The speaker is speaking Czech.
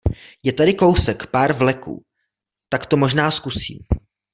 Je tady kousek pár vleků, tak to možná zkusím.